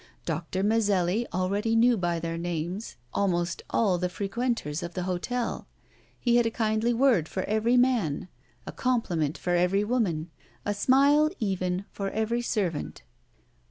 Doctor Mazelli already knew by their names almost all the frequenters of the hotel; he had a kindly word for every man, a compliment for every woman, a smile even for every servant.